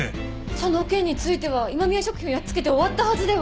その件については今宮食品をやっつけて終わったはずでは？